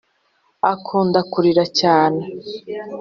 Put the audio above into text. akunda kurira cyane